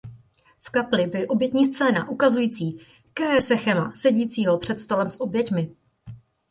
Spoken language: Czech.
V kapli by obětní scéna ukazující Kaesechema sedícího před stolem s oběťmi.